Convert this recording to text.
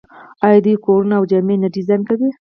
آیا دوی کورونه او جامې نه ډیزاین کوي؟